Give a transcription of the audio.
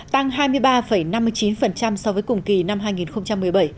tăng hai mươi ba năm mươi chín so với cùng kỳ năm hai nghìn một mươi bảy